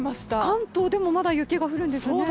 関東でもまだ雪が降るんですね。